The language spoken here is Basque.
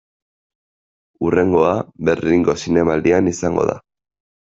Hurrengoa, Berlingo Zinemaldian izango da.